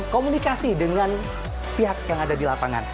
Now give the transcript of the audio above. komunikasi dengan pihak yang ada di lapangan